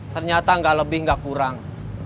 ternyata enggak lebih enggak kurang